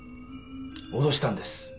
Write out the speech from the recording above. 脅したんです。